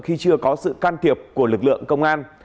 khi chưa có sự can thiệp của lực lượng công an